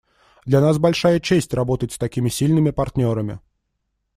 Для нас большая честь работать с такими сильными партнерами.